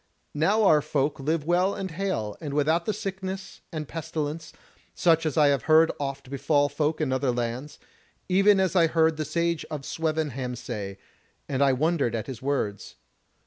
Now our folk live well and hale, and without the sickness and pestilence, such as I have heard oft befall folk in other lands: even as I heard the Sage of Swevenham say, and I wondered at his words.